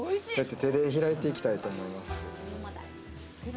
続いては、手で開いていきたいと思います。